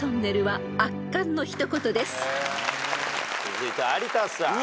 続いて有田さん。